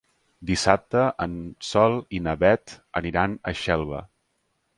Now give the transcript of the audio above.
Dissabte en Sol i na Beth aniran a Xelva.